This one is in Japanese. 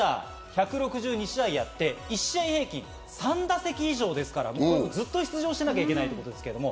メジャー１６２試合やって１試合平均３打席以上ですから、ずっと出場しなきゃいけないんですけど。